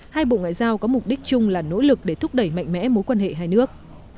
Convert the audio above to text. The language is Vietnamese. hai bộ ngoại giao có mục đích chung là nỗ lực để thúc đẩy mạnh mẽ mối quan hệ hai nước